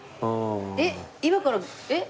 えっ今からえっ？